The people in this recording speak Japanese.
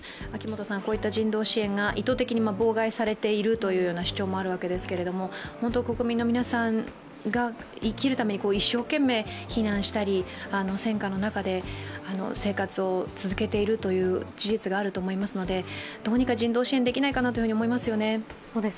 こういった人道支援が意図的に妨害されているという主張があるわけですけれども、国民の皆さんが生きるために一生懸命避難したり戦火の中で生活を続けているという事実があると思いますのでどうにか人道支援ができないかなと思いますよね。